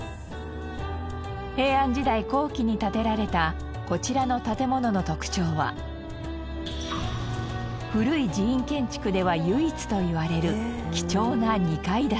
平安時代後期に建てられたこちらの建物の特徴は古い寺院建築では唯一といわれる貴重な二階建て。